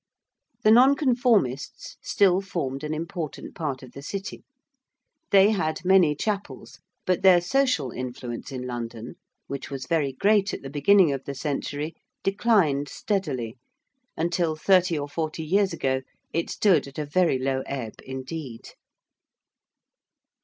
The Nonconformists still formed an important part of the City. They had many chapels, but their social influence in London, which was very great at the beginning of the century, declined steadily, until thirty or forty years ago it stood at a very low ebb indeed.